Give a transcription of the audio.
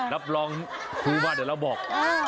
รับรองครูมาเดี๋ยวเราบอก